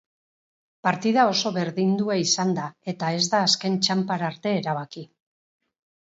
Partida oso berdindua izan da eta ez da azken txanpara arte erabaki.